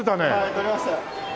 取れました。